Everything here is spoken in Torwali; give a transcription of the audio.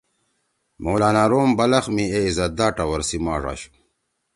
مولانا روم بلخ می اے عزتدا ٹوَر سی ماݜ آشُو۔